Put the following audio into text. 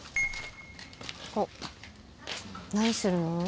おっ何するの？